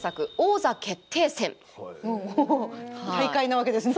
大会なわけですね。